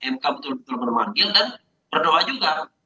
mk betul betul memanggil dan berdoa juga